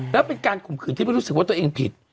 แล้วเป็นการข่มขืนที่ไม่รู้สึกว่าตัวเองผิด